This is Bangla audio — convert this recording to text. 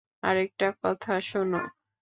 আরেকটা কথা শোনো।